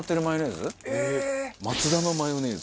松田のマヨネーズ。